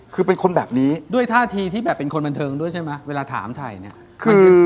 คือเป็นคนแบบนี้ด้วยท่าทีที่แบบเป็นคนบันเทิงด้วยใช่ไหมเวลาถามถ่ายเนี่ย